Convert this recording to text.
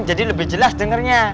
jadi lebih jelas dengernya